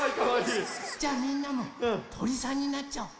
じゃみんなもとりさんになっちゃおう。